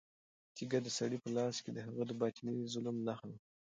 تیږه د سړي په لاس کې د هغه د باطني ظلم نښه وه.